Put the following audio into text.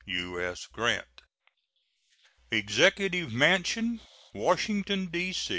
U.S. GRANT. EXECUTIVE MANSION, _Washington, D.